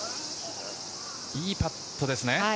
いいパットですね。